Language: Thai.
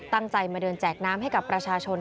ตั้งใจมาเดินแจกน้ำให้กับประชาชน